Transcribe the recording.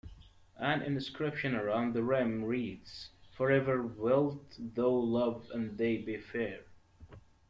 An inscription around the rim reads, Forever wilt thou love and they be fair.